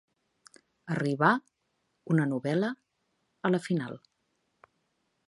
Arribar, una novel·la, a la final.